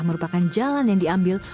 merupakan jalan yang diambil